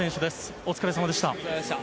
お疲れさまでした。